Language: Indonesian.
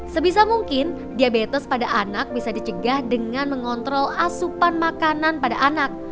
sebisa mungkin diabetes pada anak bisa dicegah dengan mengontrol asupan makanan pada anak